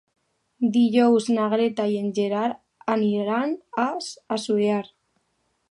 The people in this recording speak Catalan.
Dijous na Greta i en Gerard aniran a Assuévar.